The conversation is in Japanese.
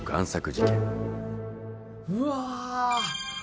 うわ！